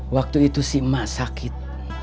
waktu itu si emak sakit